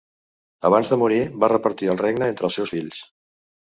Abans de morir va repartir el regne entre els seus fills.